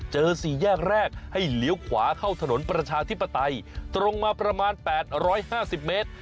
สี่แยกแรกให้เลี้ยวขวาเข้าถนนประชาธิปไตยตรงมาประมาณ๘๕๐เมตร